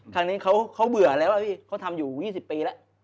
ครั้งนี้เขาเบื่อแล้วพี่เขาทำอยู่๒๐ปีแล้ว